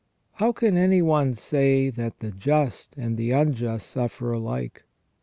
How can any one say that the just and the unjust suffer alike ?